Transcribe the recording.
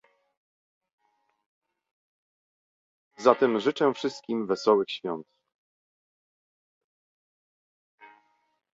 Zatem życzę wszystkim wesołych świąt!